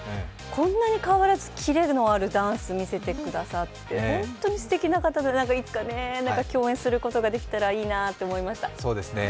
こんなに変わらずキレのあるダンスを見せてくださって本当にすてきな方だといつか共演することができたらいいなと思いました。